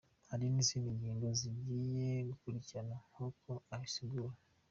Hari n'izindi ngingo zigiye gukurikira nk'uko abisigura: .